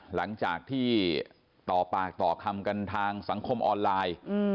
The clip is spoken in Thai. หลังจากที่ต่อปากต่อคำกันทางสังคมออนไลน์